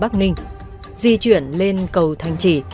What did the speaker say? bắc ninh di chuyển lên cầu thanh trì